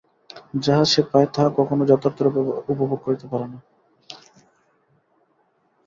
যাহা সে পায়, তাহা কখনও যথার্থরূপে উপভোগ করিতে পারে না।